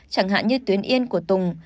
chẳng hạn như tuyến yên của tùng